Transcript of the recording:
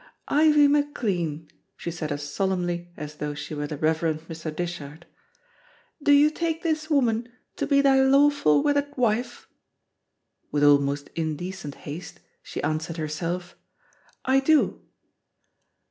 "Ivie McLean," she said as solemnly as tho' she were the Rev. Mr. Dishart, "do you take this woman to be thy lawful wedded wife?" With almost indecent haste she answered herself, "I do."